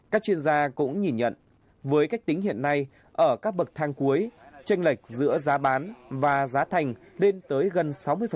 các chuyên gia cũng nhìn nhận với cách tính hiện nay ở các bậc thang cuối tranh lệch giữa giá bán và giá thành lên tới gần sáu mươi